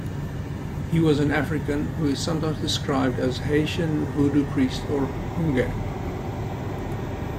He was an African who is sometimes described as Haitian vodou priest, or houngan.